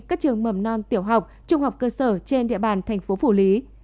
các trường mầm non tiểu học trung học cơ sở trên địa bàn tp phủ lý